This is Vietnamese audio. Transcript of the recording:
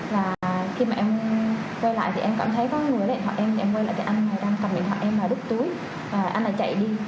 và khi mà em quay lại thì em cảm thấy có người lấy điện thoại em thì em quay lại thì anh này đang cầm điện thoại em và đút túi và anh này chạy đi